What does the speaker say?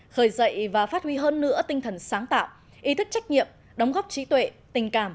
khởi dậy và phát huy hơn nữa tinh thần sáng tạo ý thức trách nhiệm đóng góp trí tuệ tình cảm